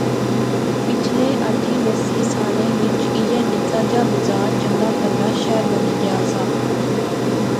پچھلے آٹھِیں دسیں سالیں وچ ایہہ نکا جا بزار چنگا پہلا شہر بنی گیا سا